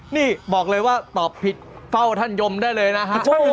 นี่บอกเลยว่าตอบผิดเฝ้าท่านยมได้เลยนะฮะ